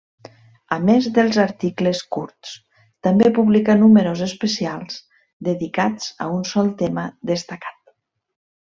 A més dels articles curts també publica números especials dedicats a un sol tema destacat.